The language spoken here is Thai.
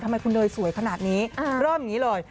ทำไมคุณเนยสวยขนาดนี้เริ่มอย่างนี้เลย